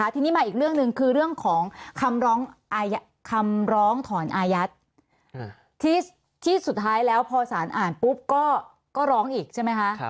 ทีนี้มาอีกเรื่องหนึ่งคือเรื่องของคำร้องถอนอายัดที่สุดท้ายแล้วพอสารอ่านปุ๊บก็ร้องอีกใช่ไหมคะ